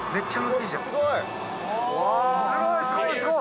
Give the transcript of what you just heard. すごいすごいすごい！